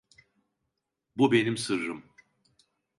Bu benim sırrım.